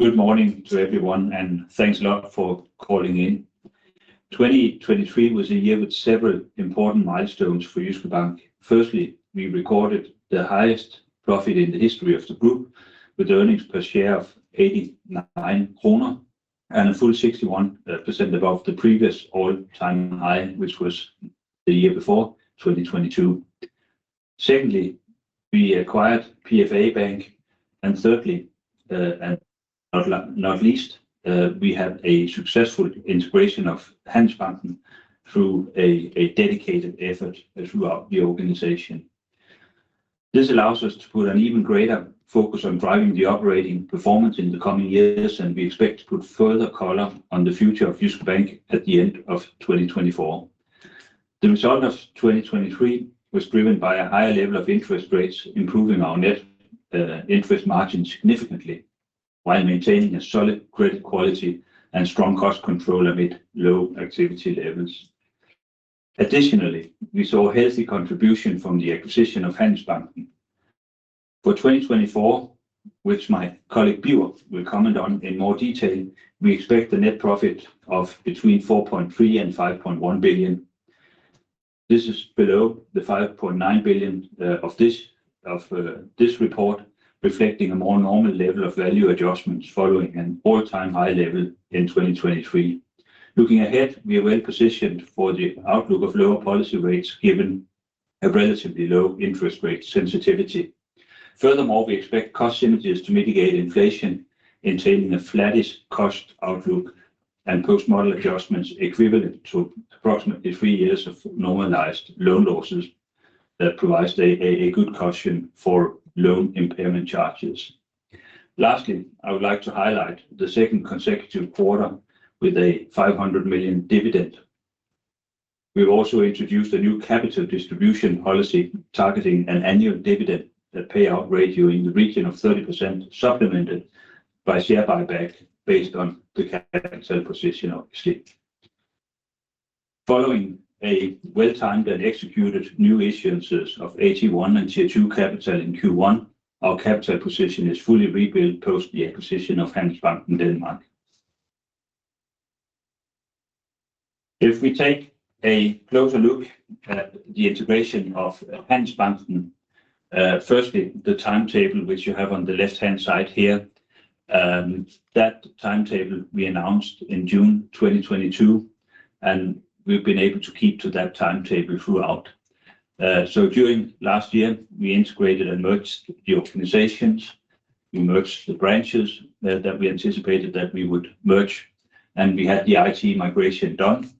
Good morning to everyone, and thanks a lot for calling in. 2023 was a year with several important milestones for Jyske Bank. Firstly, we recorded the highest profit in the history of the group, with earnings per share of 89 kroner and a full 61% above the previous all-time high, which was the year before, 2022. Secondly, we acquired PFA Bank, and thirdly, and not least, we had a successful integration of Handelsbanken through a dedicated effort throughout the organization. This allows us to put an even greater focus on driving the operating performance in the coming years, and we expect to put further color on the future of Jyske Bank at the end of 2024. The result of 2023 was driven by a higher level of interest rates, improving our net interest margin significantly, while maintaining a solid credit quality and strong cost control amid low activity levels. Additionally, we saw a healthy contribution from the acquisition of Handelsbanken. For 2024, which my colleague, Birger, will comment on in more detail, we expect a net profit of between 4.3 billion and 5.1 billion. This is below the 5.9 billion of this report, reflecting a more normal level of value adjustments following an all-time high level in 2023. Looking ahead, we are well positioned for the outlook of lower policy rates, given a relatively low interest rate sensitivity. Furthermore, we expect cost synergies to mitigate inflation, maintaining a flattish cost outlook and post-model adjustments equivalent to approximately three years of normalized loan losses that provides a good cushion for loan impairment charges. Lastly, I would like to highlight the second consecutive quarter with a 500 million dividend. We've also introduced a new capital distribution policy, targeting an annual dividend, a payout ratio in the region of 30%, supplemented by share buyback based on the capital position obviously. Following a well-timed and executed new issuances of AT1 and Tier 2 capital in Q1, our capital position is fully rebuilt post the acquisition of Handelsbanken Denmark. If we take a closer look at the integration of Handelsbanken, firstly, the timetable which you have on the left-hand side here, that timetable we announced in June 2022, and we've been able to keep to that timetable throughout. So during last year, we integrated and merged the organizations. We merged the branches that we anticipated that we would merge, and we had the IT migration done,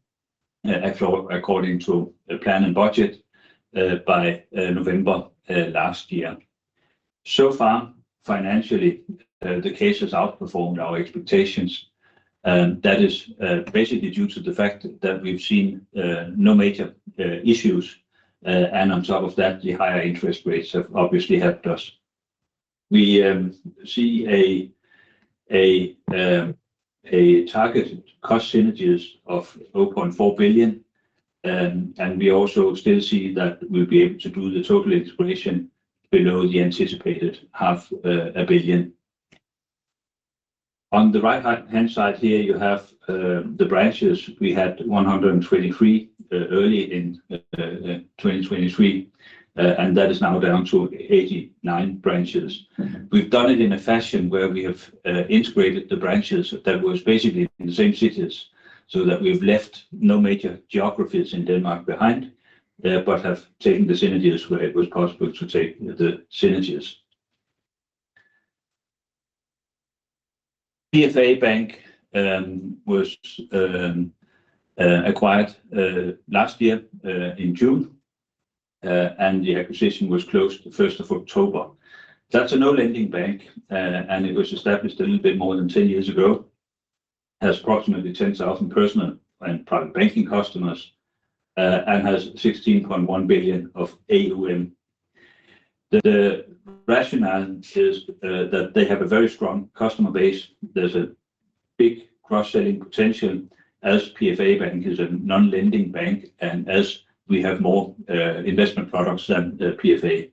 actually according to the plan and budget, by November last year. So far, financially, the case has outperformed our expectations, and that is basically due to the fact that we've seen no major issues, and on top of that, the higher interest rates have obviously helped us. We see a targeted cost synergies of 0.4 billion, and we also still see that we'll be able to do the total integration below the anticipated half a billion. On the right-hand side here, you have the branches. We had 123 early in 2023, and that is now down to 89 branches. We've done it in a fashion where we have integrated the branches that was basically in the same cities, so that we've left no major geographies in Denmark behind, but have taken the synergies where it was possible to take the synergies. PFA Bank was acquired last year in June, and the acquisition was closed the first of October. That's a no-lending bank, and it was established a little bit more than 10 years ago, has approximately 10,000 personal and private banking customers, and has 16.1 billion of AUM. The rationale is that they have a very strong customer base. There's a big cross-selling potential as PFA Bank is a non-lending bank, and as we have more investment products than the PFA.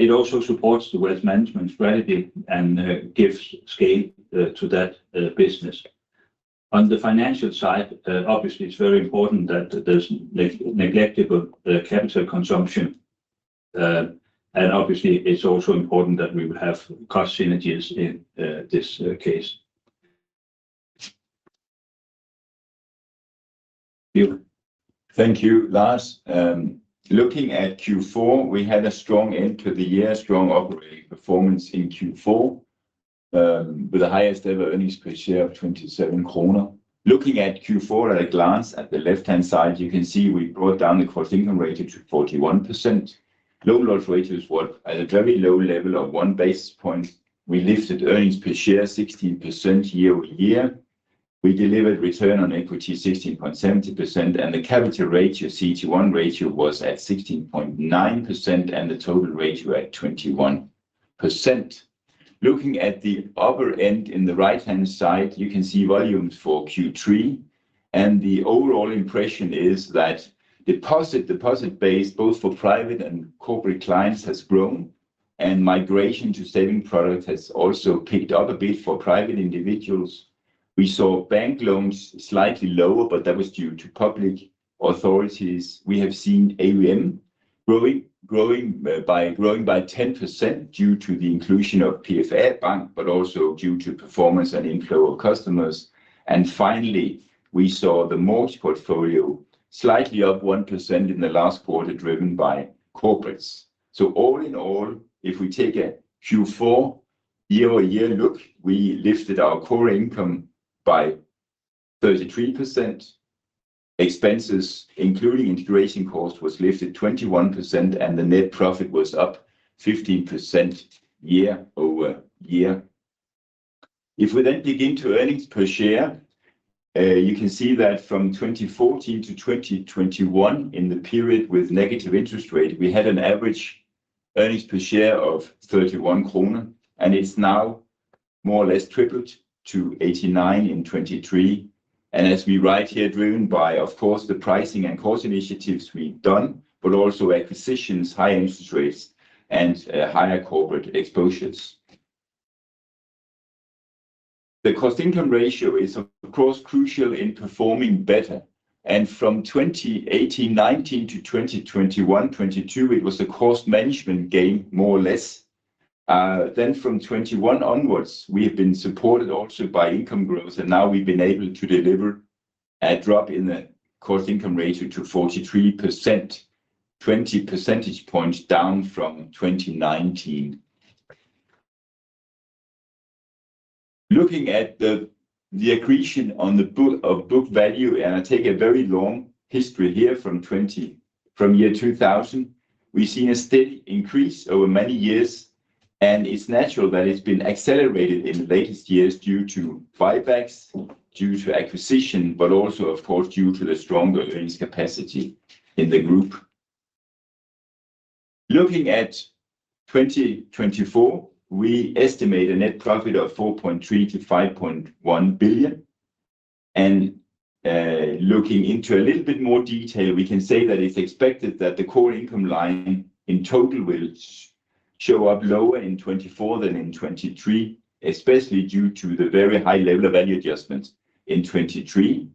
It also supports the wealth management strategy and gives scale to that business. On the financial side, obviously, it's very important that there's negligible capital consumption. And obviously, it's also important that we will have cost synergies in this case. Birger? Thank you, Lars. Looking at Q4, we had a strong end to the year, strong operating performance in Q4, with the highest ever earnings per share of 27 kroner. Looking at Q4 at a glance, at the left-hand side, you can see we brought down the cost-income ratio to 41%. Loan loss ratios were at a very low level of 1 basis point. We lifted earnings per share 16% year-over-year. We delivered return on equity, 16.70%, and the capital ratio, CET1 ratio, was at 16.9%, and the total ratio at 21%. Looking at the upper end, in the right-hand side, you can see volumes for Q3.... and the overall impression is that deposit, deposit base, both for private and corporate clients, has grown, and migration to saving products has also picked up a bit for private individuals. We saw bank loans slightly lower, but that was due to public authorities. We have seen AUM growing, growing by, growing by 10% due to the inclusion of PFA Bank, but also due to performance and inflow of customers. And finally, we saw the mortgage portfolio slightly up 1% in the last quarter, driven by corporates. So all in all, if we take a Q4 year-over-year look, we lifted our core income by 33%. Expenses, including integration cost, was lifted 21%, and the net profit was up 15% year-over-year. If we then dig into earnings per share, you can see that from 2014 to 2021, in the period with negative interest rate, we had an average earnings per share of 31 krone, and it's now more or less tripled to 89 in 2023. And as we write here, driven by, of course, the pricing and cost initiatives we've done, but also acquisitions, high interest rates and higher corporate exposures. The cost-income ratio is, of course, crucial in performing better, and from 2018, 2019 to 2021, 2022, it was the cost management gain, more or less. Then from 2021 onwards, we have been supported also by income growth, and now we've been able to deliver a drop in the cost-income ratio to 43%, 20 percentage points down from 2019. Looking at the accretion on the book of book value, and I take a very long history here from 2000, we've seen a steady increase over many years, and it's natural that it's been accelerated in the latest years due to buybacks, due to acquisition, but also, of course, due to the stronger earnings capacity in the group. Looking at 2024, we estimate a net profit of 4.3 billion-5.1 billion, and looking into a little bit more detail, we can say that it's expected that the core income line in total will show up lower in 2024 than in 2023, especially due to the very high level of value adjustments in 2023.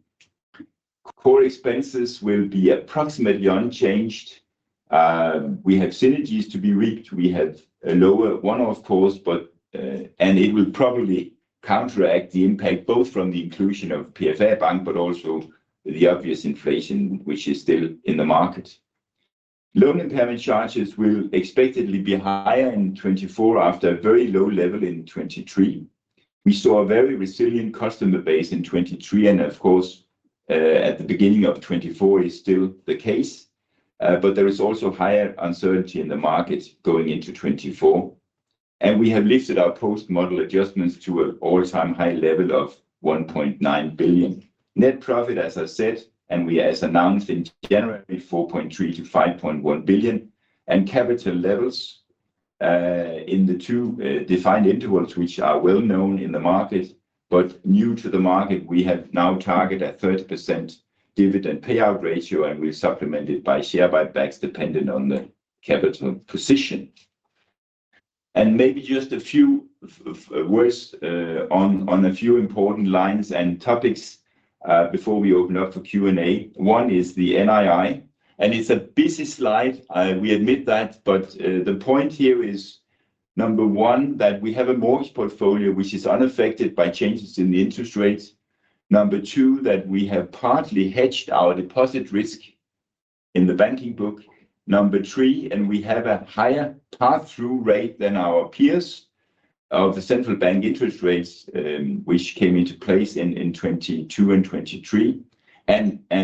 Core expenses will be approximately unchanged. We have synergies to be reaped. We have a lower one-off cost, but and it will probably counteract the impact, both from the inclusion of PFA Bank, but also the obvious inflation, which is still in the market. Loan impairment charges will expectedly be higher in 2024 after a very low level in 2023. We saw a very resilient customer base in 2023, and of course, at the beginning of 2024 is still the case, but there is also higher uncertainty in the market going into 2024. We have lifted our post-model adjustments to an all-time high level of 1.9 billion. Net profit, as I said, and we as announced in January, 4.3 billion-5.1 billion. And capital levels in the two defined intervals, which are well known in the market, but new to the market, we have now targeted a 30% dividend payout ratio, and we supplement it by share buybacks, depending on the capital position. And maybe just a few words on a few important lines and topics before we open up for Q&A. One is the NII, and it's a busy slide, we admit that, but the point here is, number one, that we have a mortgage portfolio which is unaffected by changes in the interest rates. Number two, that we have partly hedged our deposit risk in the banking book. Number three, and we have a higher pass-through rate than our peers of the central bank interest rates, which came into place in 2022 and 2023.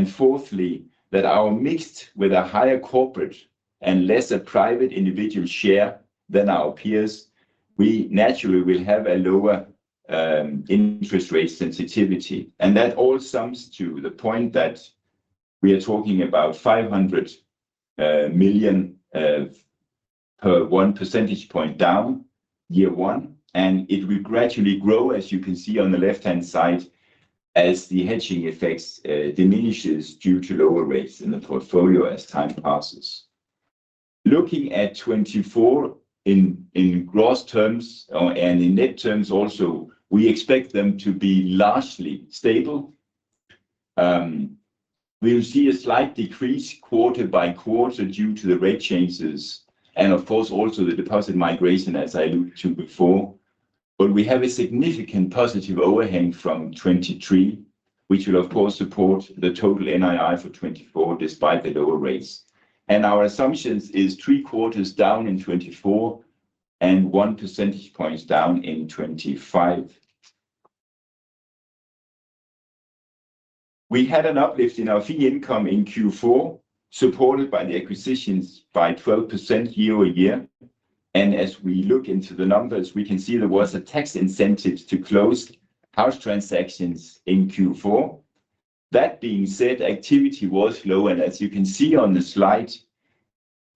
Fourthly, that our mix with a higher corporate and lesser private individual share than our peers, we naturally will have a lower interest rate sensitivity. And that all sums to the point that we are talking about 500 million per one percentage point down, year one, and it will gradually grow, as you can see on the left-hand side, as the hedging effects diminishes due to lower rates in the portfolio as time passes. Looking at 2024 in gross terms and in net terms also, we expect them to be largely stable. We'll see a slight decrease quarter by quarter due to the rate changes and of course, also the deposit migration, as I alluded to before, but we have a significant positive overhang from 2023, which will of course support the total NII for 2024, despite the lower rates. And our assumptions is three quarters down in 2024 and 1 percentage point down in 2025. We had an uplift in our fee income in Q4, supported by the acquisitions by 12% year-over-year. And as we look into the numbers, we can see there was a tax incentive to close house transactions in Q4. That being said, activity was low, and as you can see on the slide.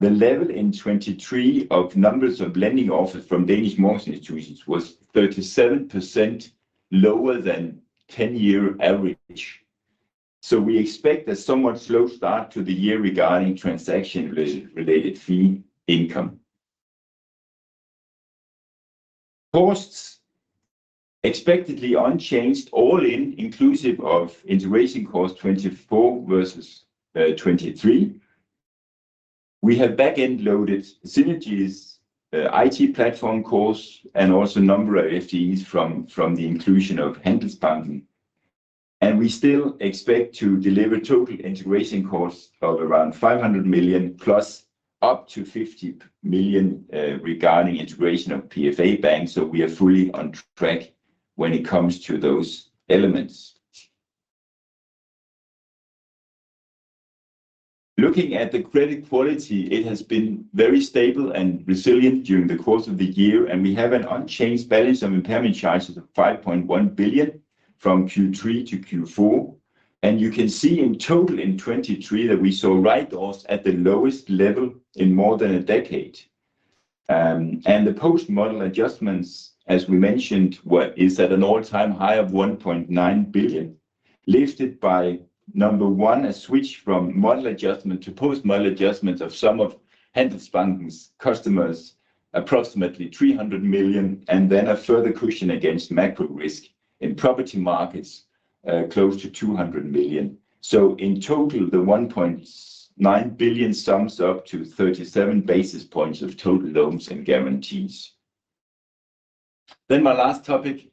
The level in 2023 of numbers of lending offers from Danish mortgage institutions was 37% lower than 10-year average. So we expect a somewhat slow start to the year regarding transaction-related fee income. Costs expectedly unchanged, all in, inclusive of integration costs 2024 versus 2023. We have back-end loaded synergies, IT platform costs, and also a number of FTEs from the inclusion of Handelsbanken. We still expect to deliver total integration costs of around 500 million plus up to 50 million regarding integration of PFA Bank. So we are fully on track when it comes to those elements. Looking at the credit quality, it has been very stable and resilient during the course of the year, and we have an unchanged balance of impairment charges of 5.1 billion from Q3 to Q4. You can see in total in 2023 that we saw write-offs at the lowest level in more than a decade. And the post-model adjustments, as we mentioned, is at an all-time high of 1.9 billion, lifted by, number one, a switch from model adjustment to post-model adjustments of some of Handelsbanken's customers, approximately 300 million, and then a further cushion against macro risk in property markets, close to 200 million. So in total, the 1.9 billion sums up to 37 basis points of total loans and guarantees. Then my last topic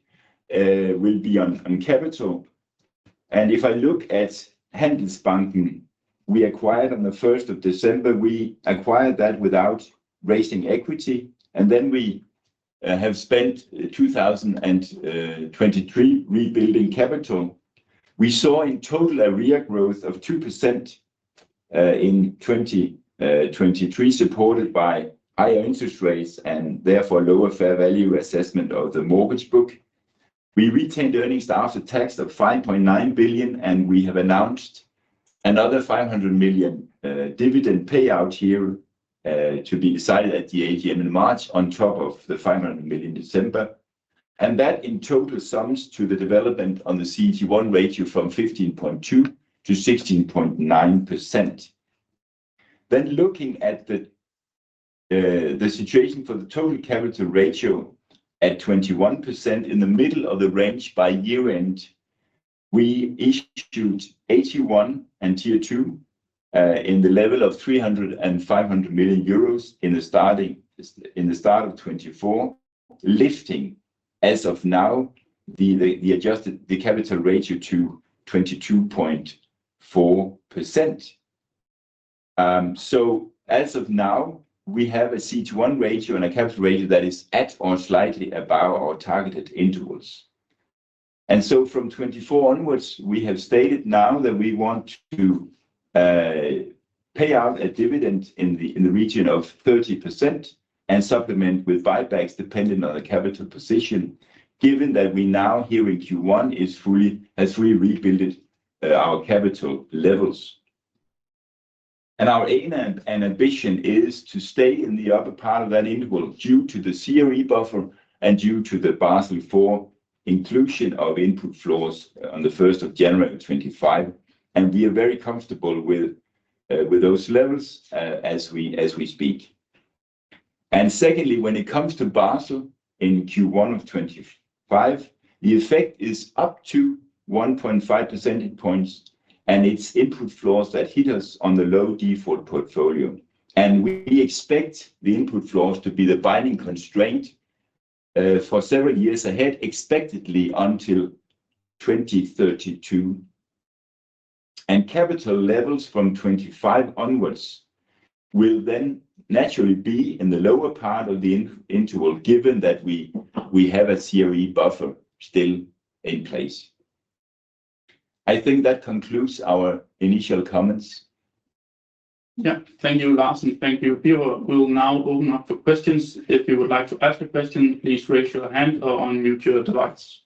will be on capital. If I look at Handelsbanken, we acquired on the first of December, we acquired that without raising equity, and then we have spent 2023 rebuilding capital. We saw in total a REA growth of 2%, in 2023, supported by higher interest rates and therefore lower fair value assessment of the mortgage book. We retained earnings after tax of 5.9 billion, and we have announced another 500 million dividend payout here to be decided at the AGM in March, on top of the 500 million December. And that, in total, sums to the development on the CET1 ratio from 15.2% to 16.9%. Then looking at the situation for the total capital ratio at 21% in the middle of the range by year-end, we issued AT1 and Tier 2 in the level of 300 million euros and 500 million euros in the start of 2024, lifting, as of now, the adjusted capital ratio to 22.4%. So as of now, we have a CET1 ratio and a capital ratio that is at or slightly above our targeted intervals. From 2024 onwards, we have stated now that we want to, pay out a dividend in the, in the region of 30% and supplement with buybacks, depending on the capital position, given that we now here in Q1 is fully-- has fully rebuilt, our capital levels. And our aim and, and ambition is to stay in the upper part of that interval due to the CRE buffer and due to the Basel IV inclusion of input floors on the first of January 2025, and we are very comfortable with, with those levels, as we, as we speak. And secondly, when it comes to Basel in Q1 of 2025, the effect is up to 1.5 percentage points, and it's input floors that hit us on the Low Default Portfolio. We expect the input floors to be the binding constraint for several years ahead, expectedly until 2032. Capital levels from 25 onwards will then naturally be in the lower part of the intended interval, given that we have a CRE buffer still in place. I think that concludes our initial comments. Yeah. Thank you, Lars, and thank you, Birger. We will now open up for questions. If you would like to ask a question, please raise your hand or on your device.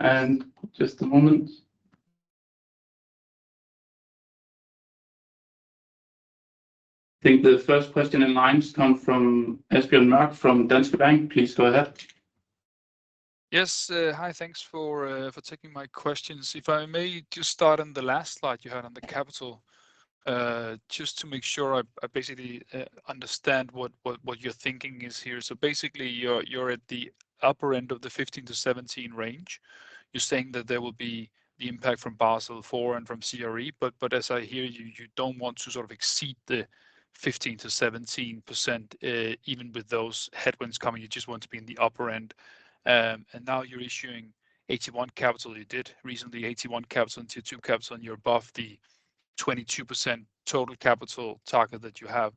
And just a moment. I think the first question in line comes from Asbjørn Mørk from Danske Bank. Please go ahead. Yes. Hi. Thanks for taking my questions. If I may just start on the last slide you had on the capital, just to make sure I basically understand what your thinking is here. So basically, you're at the upper end of the 15-17 range. You're saying that there will be the impact from Basel IV and from CRE, but as I hear you, you don't want to sort of exceed the 15%-17%, even with those headwinds coming, you just want to be in the upper end. And now you're issuing AT1 capital. You did recently, AT1 capital and Tier 2 capital, you're above the 22% total capital target that you have.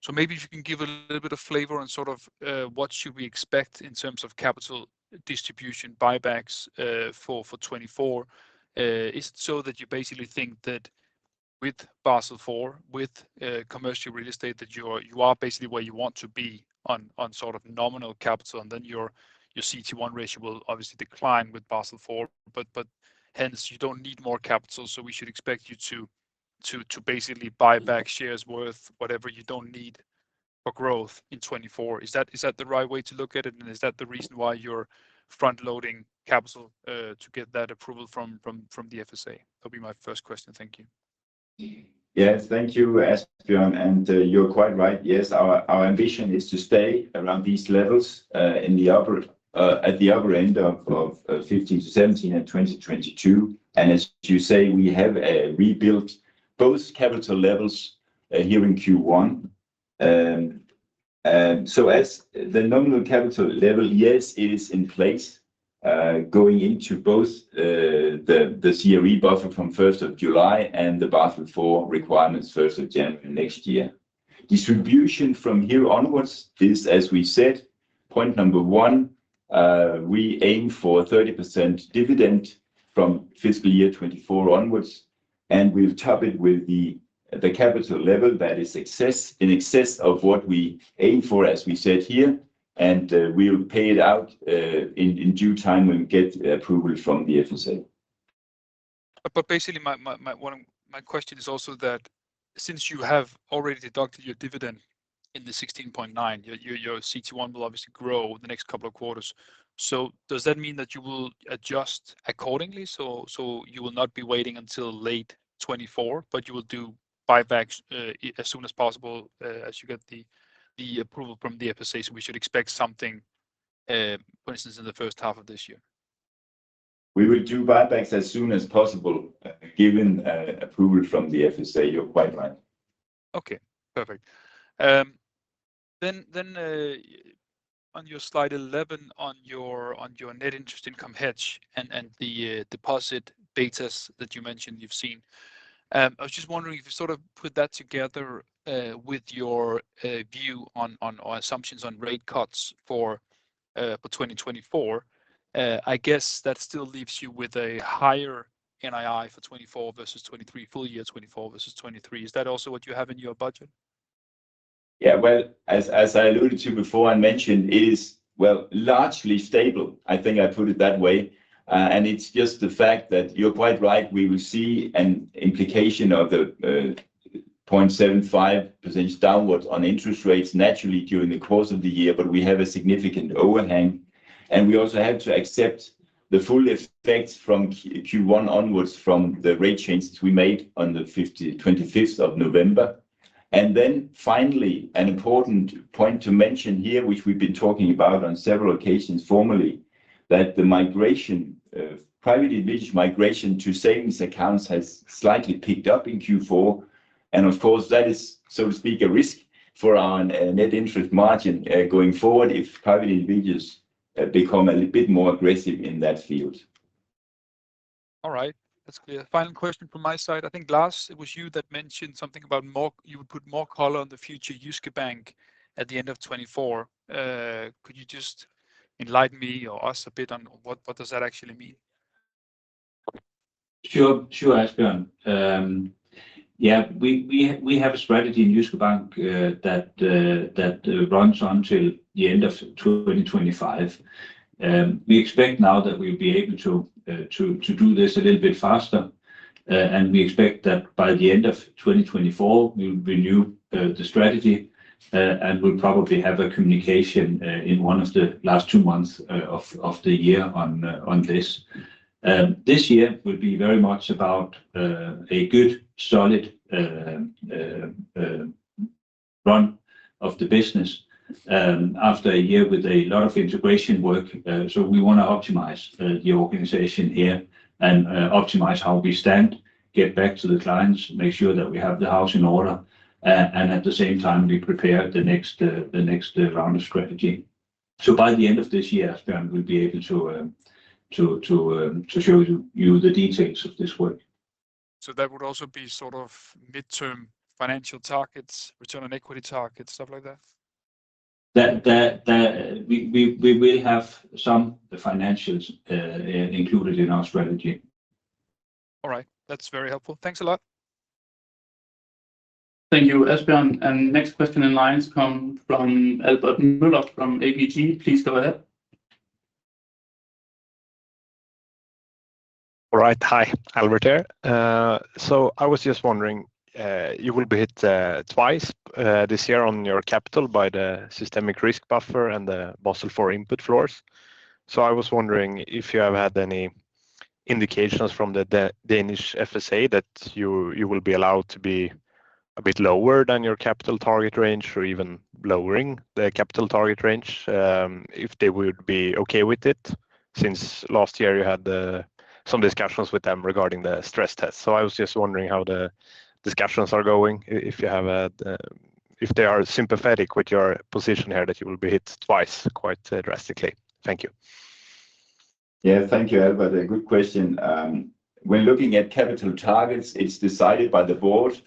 So maybe if you can give a little bit of flavor on sort of what should we expect in terms of capital distribution buybacks for 2024? Is it so that you basically think that with Basel IV, with commercial real estate that you are basically where you want to be on sort of nominal capital, and then your CET1 ratio will obviously decline with Basel IV? But hence you don't need more capital, so we should expect you to basically buy back shares worth whatever you don't need for growth in 2024. Is that the right way to look at it? And is that the reason why you're front-loading capital to get that approval from the FSA? That'll be my first question. Thank you. Yes, thank you, Asbjørn, and, you're quite right. Yes, our, our ambition is to stay around these levels, in the upper, at the upper end of, of, 15-17 and 2022. And as you say, we have, rebuilt both capital levels, here in Q1. And so as the nominal capital level, yes, it is in place, going into both, the, the CRE buffer from first of July and the Basel IV requirements first of January next year. Distribution from here onwards is, as we said, point number one, we aim for 30% dividend from fiscal year 2024 onwards, and we'll top it with the capital level that is excess, in excess of what we aim for, as we said here, and we'll pay it out in due time when we get approval from the FSA. Basically, my question is also that since you have already deducted your dividend in the 16.9, your CET1 will obviously grow the next couple of quarters. So does that mean that you will adjust accordingly, so you will not be waiting until late 2024, but you will do buybacks as soon as possible, as you get the approval from the FSA? So we should expect something, for instance, in the first half of this year. We will do buybacks as soon as possible, given approval from the FSA. You're quite right. Okay, perfect. Then, on your slide 11, on your net interest income hedge and the deposit betas that you mentioned you've seen, I was just wondering if you sort of put that together with your view on or assumptions on rate cuts for 2024. I guess that still leaves you with a higher NII for 2024 versus 2023, full year 2024 versus 2023. Is that also what you have in your budget? Yeah, well, as I alluded to before and mentioned, it is, well, largely stable. I think I put it that way. And it's just the fact that you're quite right, we will see an implication of the 0.75% downwards on interest rates naturally during the course of the year, but we have a significant overhang, and we also have to accept the full effects from Q1 onwards, from the rate changes we made on the 25th of November. And then finally, an important point to mention here, which we've been talking about on several occasions formally, that the migration, private division migration to savings accounts has slightly picked up in Q4. Of course, that is, so to speak, a risk for our net interest margin going forward, if private individuals become a little bit more aggressive in that field. All right, that's clear. Final question from my side. I think, Lars, it was you that mentioned something about more—you would put more color on the future Jyske Bank at the end of 2024. Could you just enlighten me or us a bit on what, what does that actually mean? Sure, sure, Asbjørn. Yeah, we have a strategy in Jyske Bank that runs until the end of 2025. We expect now that we'll be able to do this a little bit faster, and we expect that by the end of 2024, we'll renew the strategy, and we'll probably have a communication in one of the last two months of the year on this. This year will be very much about a good, solid run of the business after a year with a lot of integration work. So we want to optimize the organization here and optimize how we stand, get back to the clients, make sure that we have the house in order, and at the same time, we prepare the next round of strategy. So by the end of this year, Asbjørn, we'll be able to show you the details of this work. That would also be sort of midterm financial targets, return on equity targets, stuff like that? That we will have some financials included in our strategy. All right. That's very helpful. Thanks a lot. Thank you, Asbjørn, and next question in line come from Albert Möller from ABG. Please go ahead. All right. Hi, Albert here. So I was just wondering, you will be hit twice, this year on your capital by the systemic risk buffer and the Basel IV input floors. So I was wondering if you have had any indications from the Danish FSA that you will be allowed to be a bit lower than your capital target range or even lowering the capital target range, if they would be okay with it, since last year you had some discussions with them regarding the stress test. So I was just wondering how the discussions are going, if they are sympathetic with your position here, that you will be hit twice, quite drastically. Thank you. Yeah. Thank you, Albert. A good question. When looking at capital targets, it's decided by the board.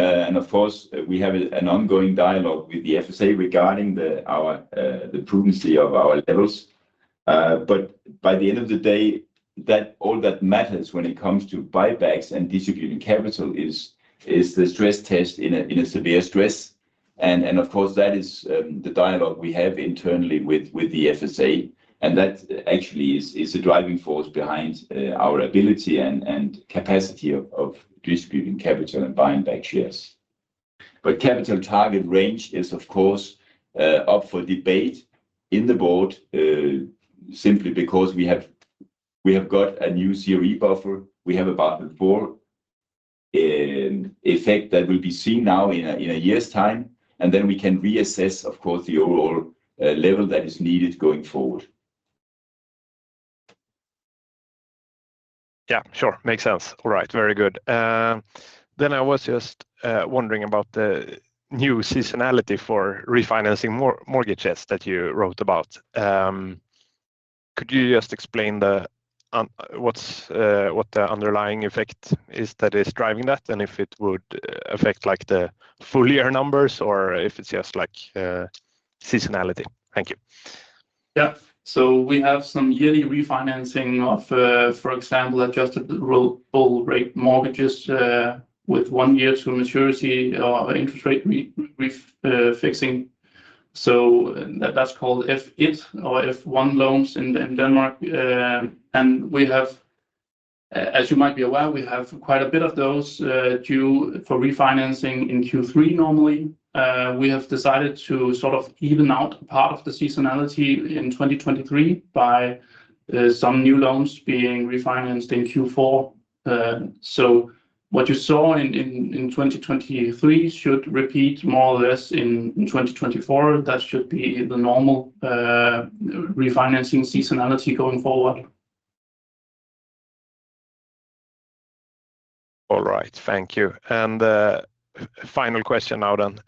And of course, we have an ongoing dialogue with the FSA regarding the prudence of our levels. But by the end of the day, that all that matters when it comes to buybacks and distributing capital is the stress test in a severe stress. And of course, that is the dialogue we have internally with the FSA, and that actually is the driving force behind our ability and capacity of distributing capital and buying back shares. But capital target range is, of course, up for debate in the board, simply because we have got a new CRE buffer. We have a Basel IV effect that will be seen now in a year's time, and then we can reassess, of course, the overall level that is needed going forward. Yeah, sure. Makes sense. All right. Very good. Then I was just wondering about the new seasonality for refinancing mortgages that you wrote about. Could you just explain what the underlying effect is that is driving that, and if it would affect, like, the full year numbers or if it's just like seasonality? Thank you. Yeah. So we have some yearly refinancing of, for example, adjustable rate mortgages with one year to maturity or interest rate fixing. So that's called F1 or F1 loans in Denmark. And we have, as you might be aware, we have quite a bit of those due for refinancing in Q3 normally. We have decided to sort of even out part of the seasonality in 2023 by some new loans being refinanced in Q4. So what you saw in 2023 should repeat more or less in 2024. That should be the normal refinancing seasonality going forward. All right. Thank you. And final question now then.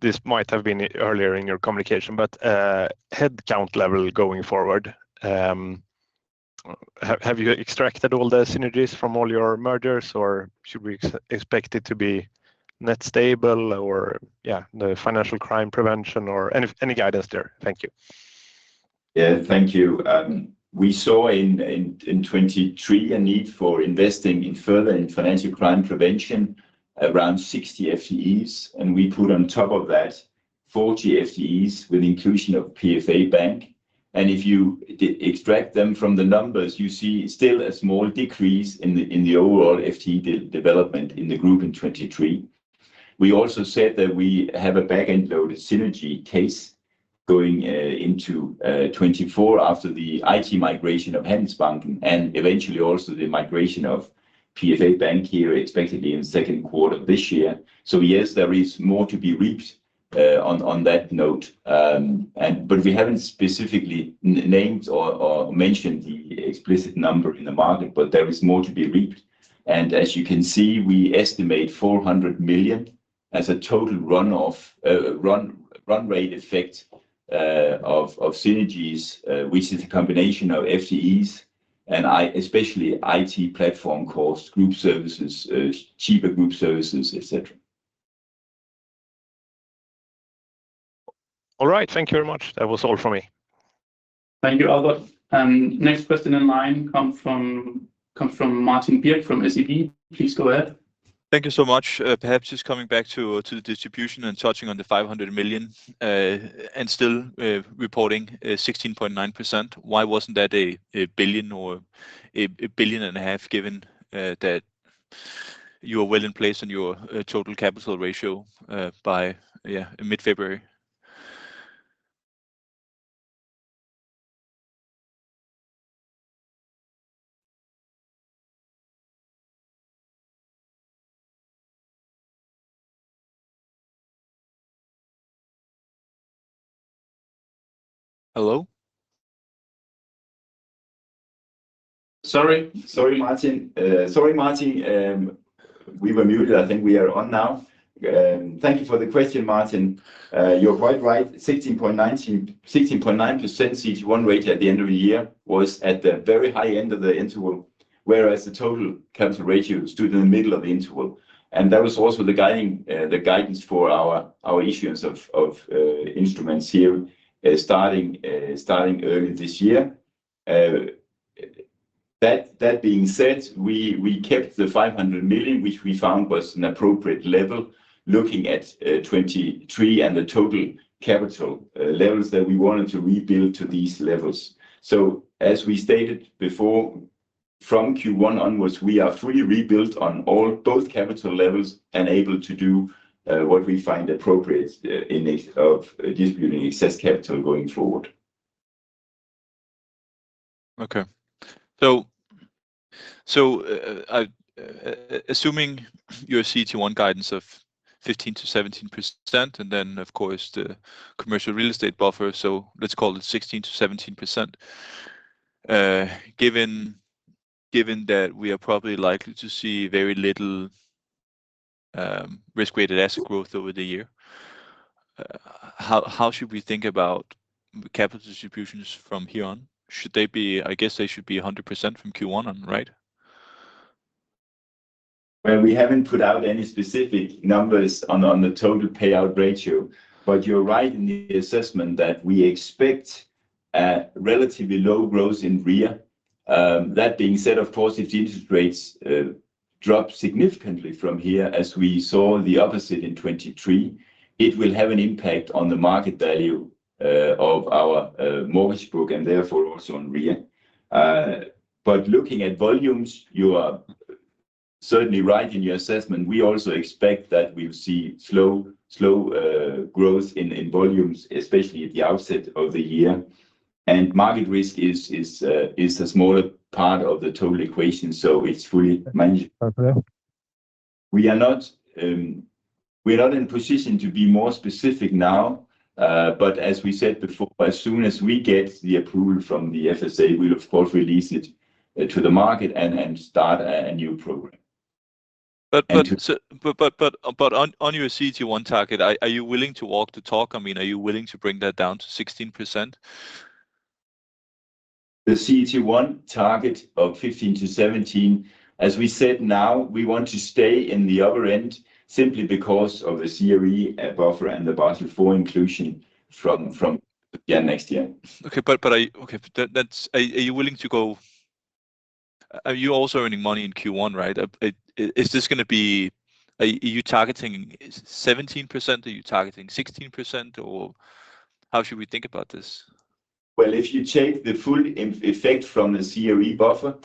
This might have been earlier in your communication, but headcount level going forward, have you extracted all the synergies from all your mergers, or should we expect it to be net stable? Or yeah, the financial crime prevention or any guidance there? Thank you. Yeah. Thank you. We saw in 2023 a need for investing in further in financial crime prevention, around 60 FTEs, and we put on top of that 40 FTEs with inclusion of PFA Bank. And if you extract them from the numbers, you see still a small decrease in the overall FTE development in the group in 2023. We also said that we have a back-end loaded synergy case going into 2024 after the IT migration of Handelsbanken and eventually also the migration of PFA Bank here, expectedly in the second quarter of this year. So yes, there is more to be reaped on that note. And but we haven't specifically named or mentioned the explicit number in the market, but there is more to be reaped. As you can see, we estimate 400 million as a total run-off run rate effect of synergies, which is a combination of FTEs and especially IT platform cost, group services, cheaper group services, etc. All right. Thank you very much. That was all for me. Thank you, Albert. Next person in line come from Martin Birk from SEB. Please go ahead. Thank you so much. Perhaps just coming back to, to the distribution and touching on the 500 million, and still, reporting, 16.9%, why wasn't that a, a 1 billion or a, a 1.5 billion, given, that you are well in place on your, total capital ratio, by, yeah, mid-February? Hello? Sorry. Sorry, Martin. Sorry, Martin, we were muted. I think we are on now. Thank you for the question, Martin. You're quite right, 16.9, 16.9% CET1 ratio at the end of the year was at the very high end of the interval, whereas the total capital ratio stood in the middle of the interval, and that was also the guiding, the guidance for our issuance of instruments here, starting early this year. That being said, we kept the 500 million, which we found was an appropriate level, looking at 2023 and the total capital levels that we wanted to rebuild to these levels. So, as we stated before, from Q1 onwards, we are fully rebuilt on all both capital levels and able to do what we find appropriate in of distributing excess capital going forward. Okay. So, assuming your CET1 guidance of 15%-17%, and then, of course, the commercial real estate buffer, so let's call it 16%-17%. Given that we are probably likely to see very little risk-weighted asset growth over the year, how should we think about capital distributions from here on? Should they be—I guess they should be 100% from Q1 on, right? Well, we haven't put out any specific numbers on the total payout ratio, but you're right in the assessment that we expect a relatively low growth in RIA. That being said, of course, if the interest rates drop significantly from here, as we saw the opposite in 2023, it will have an impact on the market value of our mortgage book, and therefore also on RIA. But looking at volumes, you are certainly right in your assessment. We also expect that we'll see slow growth in volumes, especially at the outset of the year, and market risk is a smaller part of the total equation, so it's fully manageable. We are not in a position to be more specific now, but as we said before, as soon as we get the approval from the FSA, we'll of course release it to the market and start a new program. But on your CET1 target, are you willing to walk the talk? I mean, are you willing to bring that down to 16%? The CET1 target of 15-17, as we said, now we want to stay in the upper end simply because of the CRE buffer and the Basel IV inclusion from next year. Okay, but that's... Are you willing to go-- Are you also earning money in Q1, right? Is this gonna be... Are you targeting 17%? Are you targeting 16%, or how should we think about this? Well, if you take the full effect from the CRE buffer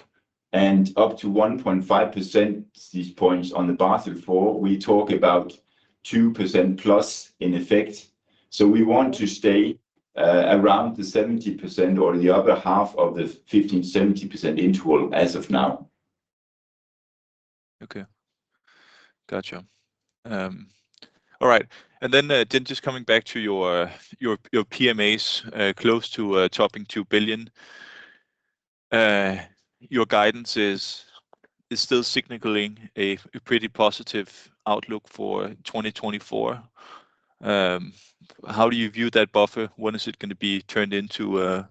and up to 1.5%, these points on the Basel IV, we talk about 2% plus in effect. So we want to stay around the 17% or the upper half of the 15%-17% interval as of now. Okay. Gotcha. All right. And then, then just coming back to your PMAs, close to topping 2 billion. Your guidance is still signaling a pretty positive outlook for 2024. How do you view that buffer? When is it gonna be turned into a,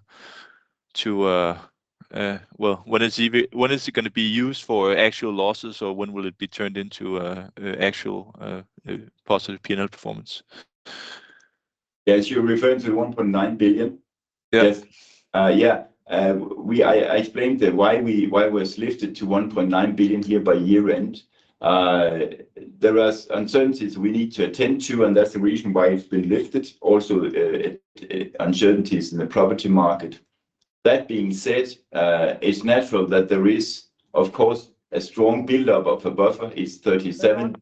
to a... Well, when is it gonna be used for actual losses, or when will it be turned into a actual positive P&L performance? Yes, you're referring to the 1.9 billion? Yes. Yeah, I explained that why it was lifted to 1.9 billion here by year-end. There are uncertainties we need to attend to, and that's the reason why it's been lifted. Also, uncertainties in the property market. That being said, it's natural that there is, of course, a strong buildup of a buffer. It's 37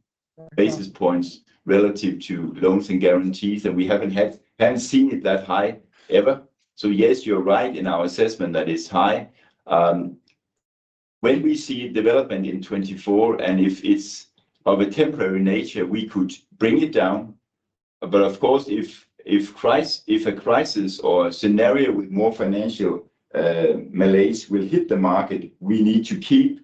basis points relative to loans and guarantees, and we haven't seen it that high ever. So yes, you're right in our assessment that it's high. When we see development in 2024, and if it's of a temporary nature, we could bring it down. But of course, if a crisis or a scenario with more financial malaise will hit the market, we need to keep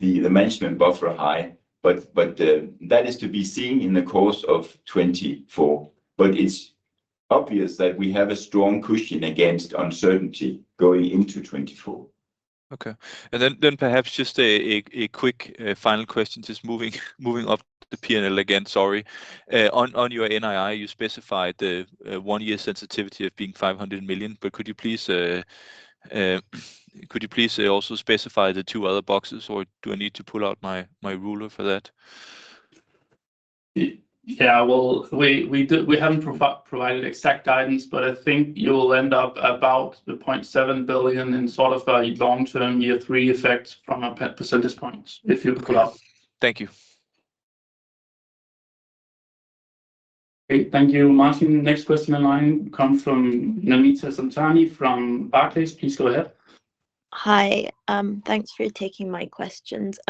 the management buffer high. That is to be seen in the course of 2024, but it's obvious that we have a strong cushion against uncertainty going into 2024. Okay. And then perhaps just a quick final question, just moving off the P&L again, sorry. On your NII, you specified the one-year sensitivity of being 500 million, but could you please also specify the two other boxes, or do I need to pull out my ruler for that? Yeah, well, we haven't provided exact guidance, but I think you'll end up about 0.7 billion in sort of a long-term year three effect from a percentage points, if you pull up. Thank you. Okay. Thank you, Martin. Next question in line comes from Namita Samtani from Barclays. Please go ahead. Hi. Thanks for taking my questions.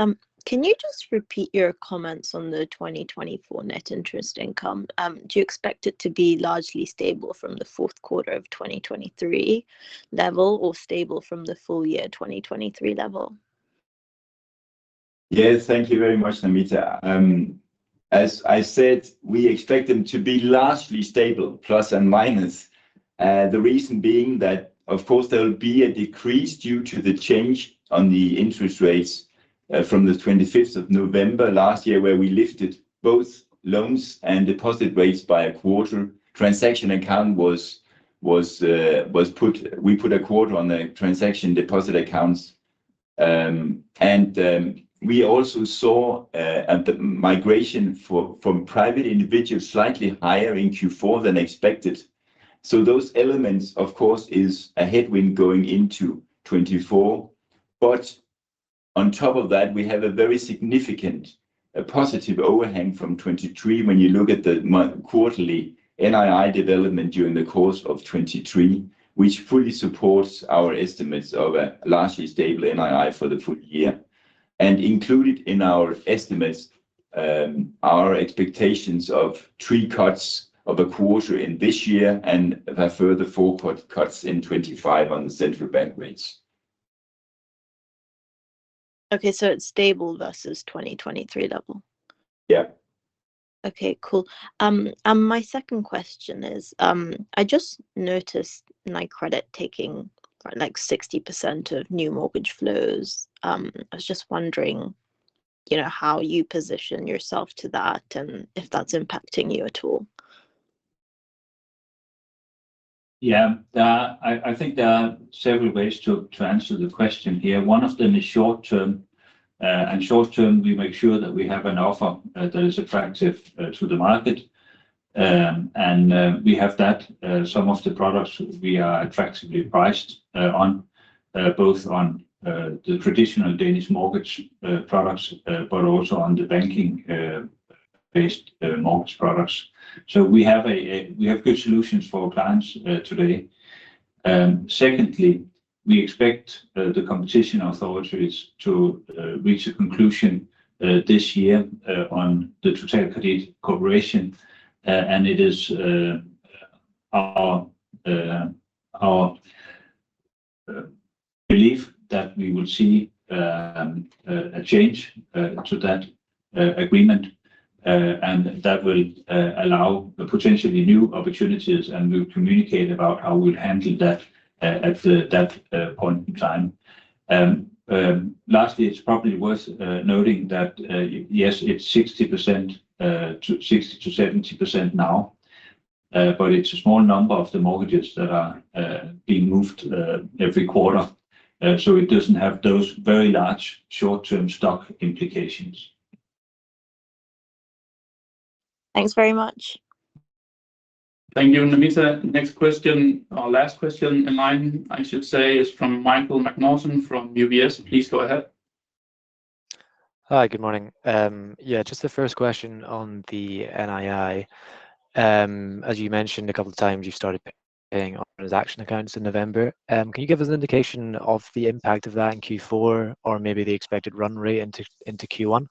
Can you just repeat your comments on the 2024 net interest income? Do you expect it to be largely stable from the fourth quarter of 2023 level, or stable from the full year 2023 level? Yes, thank you very much, Namita. As I said, we expect them to be largely stable, plus and minus. The reason being that, of course, there will be a decrease due to the change on the interest rates, from the 25th of November last year, where we lifted both loans and deposit rates by a quarter. We put a quarter on the transaction deposit accounts. We also saw at the migration from private individuals slightly higher in Q4 than expected. So those elements, of course, is a headwind going into 2024. But on top of that, we have a very significant, a positive overhang from 2023 when you look at the quarterly NII development during the course of 2023, which fully supports our estimates of a largely stable NII for the full year. Included in our estimates are expectations of three cuts of a quarter in this year and a further four cuts in 2025 on the central bank rates. Okay, so it's stable versus 2023 level? Yeah. Okay, cool. And my second question is, I just noticed Nykredit taking, like, 60% of new mortgage flows. I was just wondering, you know, how you position yourself to that, and if that's impacting you at all? Yeah. I think there are several ways to answer the question here. One of them is short-term. And short-term, we make sure that we have an offer that is attractive to the market. And we have that. Some of the products we are attractively priced on both the traditional Danish mortgage products but also on the banking based mortgage products. So we have good solutions for our clients today. Secondly, we expect the competition authorities to reach a conclusion this year on the Totalkredit cooperation. And it is our belief that we will see a change to that agreement, and that will allow potentially new opportunities, and we'll communicate about how we'll handle that at that point in time. Lastly, it's probably worth noting that yes, it's 60%-70% now, but it's a small number of the mortgages that are being moved every quarter. So it doesn't have those very large short-term stock implications. Thanks very much. Thank you, Namita. Next question, our last question in line, I should say, is from Michael Macnaughton from UBS. Please go ahead. Hi, good morning. Yeah, just the first question on the NII. As you mentioned a couple of times, you've started paying on transaction accounts in November. Can you give us an indication of the impact of that in Q4, or maybe the expected run rate into Q1?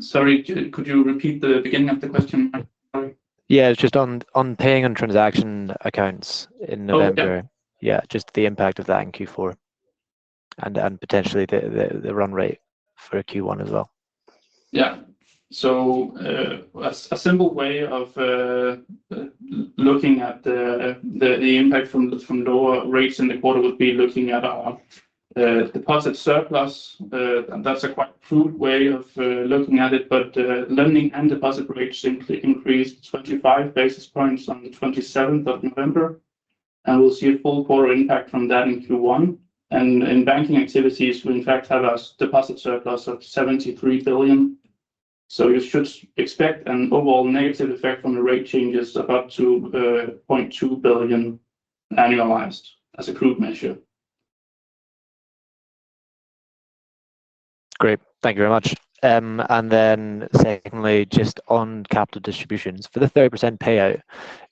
Sorry, could you repeat the beginning of the question? I'm sorry. Yeah, just on, on paying on transaction accounts in November. Oh, okay. Yeah, just the impact of that in Q4 and potentially the run rate for Q1 as well. Yeah. So, a simple way of looking at the impact from the lower rates in the quarter would be looking at our deposit surplus. And that's a quite crude way of looking at it, but lending and deposit rates simply increased 25 basis points on the 27th of November, and we'll see a full quarter impact from that in Q1. And in banking activities, we in fact have a deposit surplus of 73 billion, so you should expect an overall negative effect from the rate changes of up to 0.2 billion annualized as a group measure. Great. Thank you very much. And then secondly, just on capital distributions, for the 30% payout,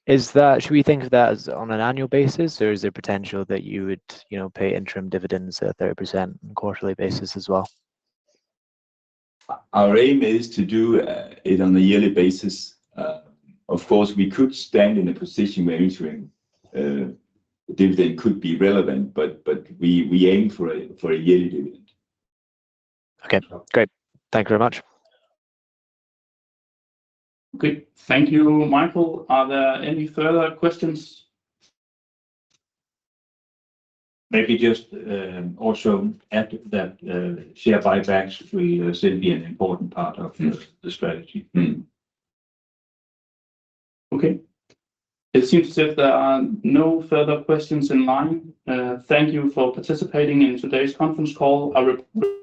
is that... Should we think of that as on an annual basis, or is there potential that you would, you know, pay interim dividends at a 30% quarterly basis as well? Our aim is to do it on a yearly basis. Of course, we could stand in a position where interim dividend could be relevant, but we aim for a yearly dividend. Okay, great. Thank you very much. Okay. Thank you, Michael. Are there any further questions? Maybe just also add that share buybacks will simply be an important part of the strategy. Mm-hmm. Okay, it seems as if there are no further questions in line. Thank you for participating in today's conference call. A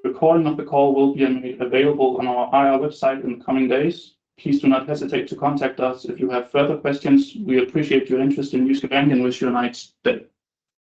recording of the call will be available on our IR website in the coming days. Please do not hesitate to contact us if you have further questions. We appreciate your interest in Jyske Bank and wish you a nice day.